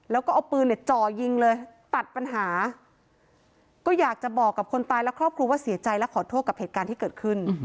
แล้วก็เอาปืนเนี่ยจ่อยิงเลยตัดปัญหาก็อยากจะบอกกับคนตายและครอบครัวว่าเสียใจและขอโทษกับเหตุการณ์ที่เกิดขึ้น